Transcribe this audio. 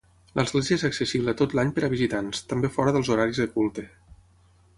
L'església és accessible tot l'any per a visitants, també fora dels horaris de culte.